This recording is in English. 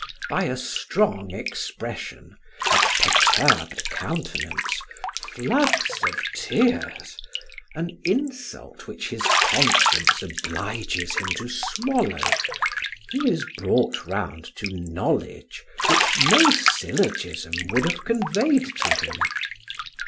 By a strong expression, a perturbed countenance, floods of tears, an insult which his conscience obliges him to swallow, he is brought round to knowledge which no syllogism would have conveyed to him.